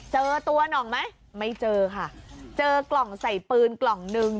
เจอตัวหน่องไหมไม่เจอค่ะเจอกล่องใส่ปืนกล่องหนึ่ง